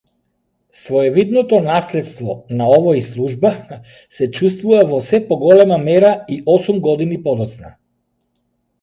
Своевидното наследствона овој служба се чувствува во сѐ поголема мера и осум години подоцна.